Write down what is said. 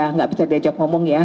nggak bisa diajak ngomong ya